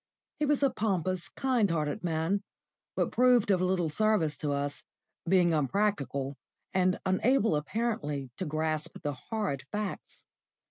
He was a pompous, kind hearted man, but proved of little service to us, being unpractical, and unable apparently to grasp the horrid facts.